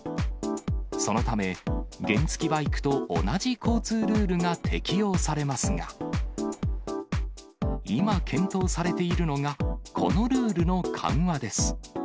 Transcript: そのため、原付きバイクと同じ交通ルールが適用されますが、今、検討されているのが、このルールの緩和です。